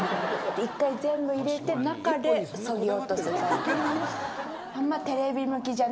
一回、全部入れて、中でそぎ落とすタイプだ。